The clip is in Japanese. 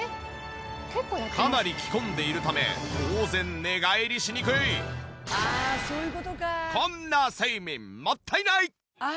かなり着込んでいるため当然こんな睡眠もったいない！